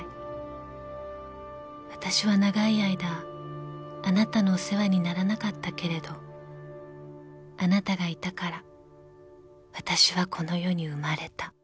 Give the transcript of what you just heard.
［わたしは長い間あなたのお世話にならなかったけれどあなたがいたからわたしはこの世に生まれた］